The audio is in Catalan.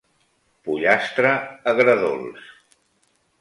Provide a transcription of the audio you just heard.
Pollastre agredolç.